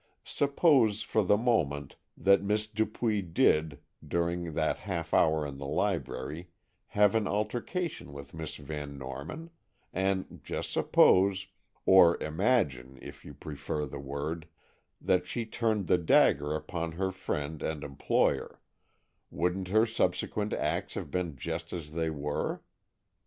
Suppose, for the moment, that Miss Dupuy did, during that half hour in the library, have an altercation with Miss Van Norman, and just suppose,—or imagine, if you prefer the word,—that she turned the dagger upon her friend and employer, wouldn't her subsequent acts have been just as they were?